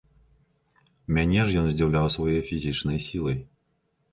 Мяне ж ён здзіўляў сваёй фізічнай сілай.